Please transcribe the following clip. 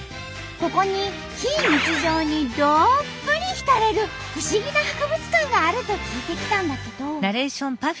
ここに非日常にどっぷり浸れる不思議な博物館があると聞いて来たんだけど。